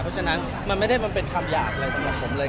เพราะฉะนั้นมันไม่ได้มันเป็นคำหยาบอะไรสำหรับผมเลย